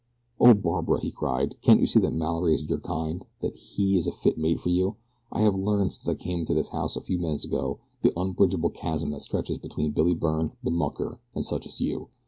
"O Barbara," he cried, "can't you see that Mallory is your kind that HE is a fit mate for you. I have learned since I came into this house a few minutes ago the unbridgeable chasm that stretches between Billy Byrne, the mucker, and such as you.